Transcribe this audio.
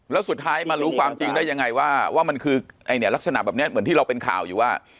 แล้วสุดท้ายมารู้ความจริงได้ยังไงว่าว่ามันคือไอ้เนี่ยลักษณะแบบนี้เหมือนที่เราเป็นข่าวอยู่ว่า